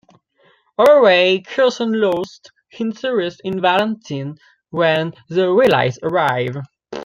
However, Carson loses interest in Vantine when the Willises arrive.